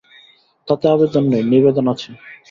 তাতে আবেদন নেই, নিবেদন আছে।